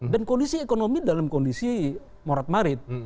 dan kondisi ekonomi dalam kondisi morat marit